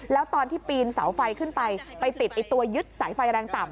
แล้วตอนที่ปีนเสาไฟขึ้นไปไปติดตัวยึดสายไฟแรงต่ำ